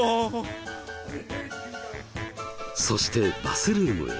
そしてバスルームへ。